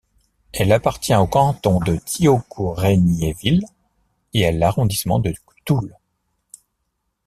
Elle appartient au canton de Thiaucourt-Regniéville et à l'arrondissement de Toul.